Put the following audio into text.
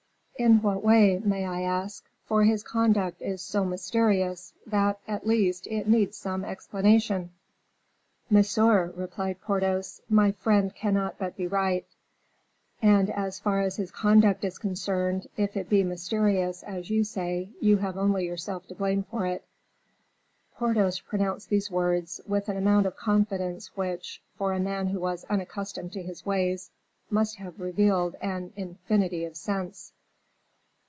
"In what way, may I ask; for his conduct is so mysterious, that, at least, it needs some explanation?" "Monsieur," replied Porthos, "my friend cannot but be right; and, as far as his conduct is concerned, if it be mysterious, as you say, you have only yourself to blame for it." Porthos pronounced these words with an amount of confidence which, for a man who was unaccustomed to his ways, must have revealed an infinity of sense.